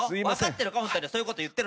そういうこと言って。